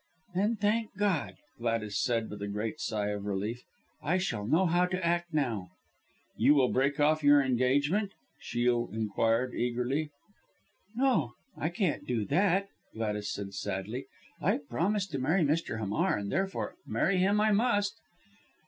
"Then, thank God!" Gladys said with a great sigh of relief. "I shall know how to act now." "You will break off your engagement?" Shiel inquired eagerly. "No! I can't do that!" Gladys said sadly. "I've promised to marry Mr. Hamar, and, therefore, marry him I must."